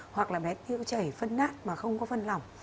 hoặc là bé tiêu chảy phân nát mà không có phân lỏng